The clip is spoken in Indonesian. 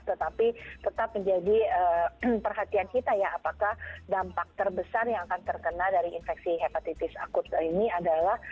tetapi tetap menjadi perhatian kita ya apakah dampak terbesar yang akan terkena dari infeksi hepatitis akut ini adalah